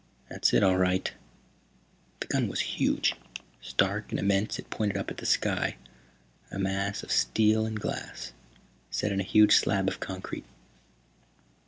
"That's it, all right." The gun was huge. Stark and immense it pointed up at the sky, a mass of steel and glass, set in a huge slab of concrete.